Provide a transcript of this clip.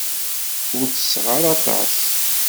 Ur tesseɣ ara aṭas.